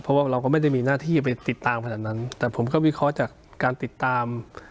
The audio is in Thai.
เพราะว่าเราก็ไม่ได้มีหน้าที่ไปติดตามขนาดนั้นแต่ผมก็วิเคราะห์จากการติดตาม